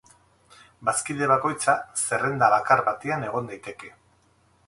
Bazkide bakoitza zerrenda bakar batean egon daiteke.